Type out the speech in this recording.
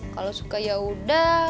kalau suka ya udah